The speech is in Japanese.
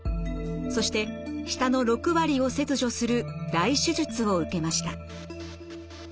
そして舌の６割を切除する大手術を受けました。